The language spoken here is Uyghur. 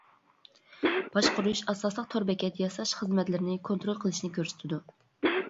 باشقۇرۇش ئاساسلىق تور بېكەت ياساش خىزمەتلىرىنى كونترول قىلىشنى كۆرسىتىدۇ.